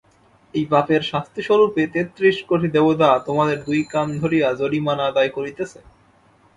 এই পাপের শাস্তিস্বরূপে তেত্রিশ কোটি দেবতা তোমাদের দুই কান ধরিয়া জরিমানা আদায় করিতেছে।